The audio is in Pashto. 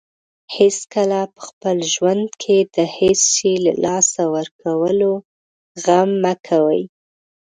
هیڅکله په خپل ژوند کې د هیڅ شی له لاسه ورکولو غم مه کوئ.